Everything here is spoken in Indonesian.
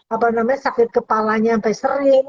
apa namanya sakit kepalanya sampai sering